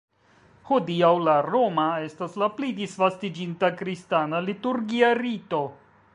Hodiaŭ la roma estas la pli disvastiĝinta kristana liturgia rito.